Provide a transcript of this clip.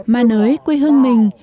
ma nới quê hương mình